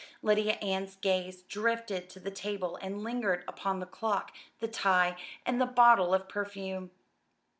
Lydia Ann's gaze drifted to the table and lingered upon the clock, the tie, and the bottle of perfume.